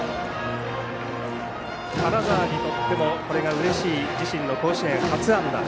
金沢にとっても、これがうれしい自身の甲子園初安打。